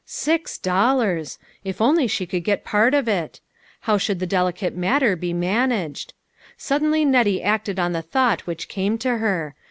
Six dollars ! If only she could get part of it ! How should the delicate matter be managed ? Suddenly Nettie acted on the thought which came to her.